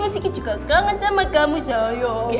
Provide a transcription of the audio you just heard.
miss kiki juga kangen sama kamu sayang